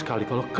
okay i am done